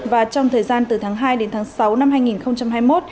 và trong thời gian từ tháng hai đến tháng sáu năm hai nghìn hai mươi một